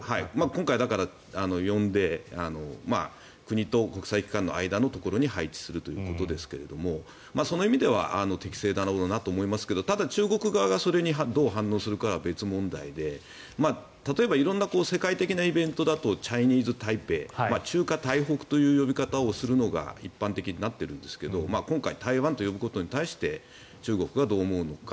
今回は呼んで国と国際機関の間に配置するということですがその意味では適正だろうなと思いますけれどただ、中国側がそれにどう反応するかは別問題で例えば色んな世界的なイベントだとチャイニーズ・タイペイ中華台北という呼び方をするのが一般的になっているんですが今回、台湾と呼ぶことに対して中国がどう思うのか。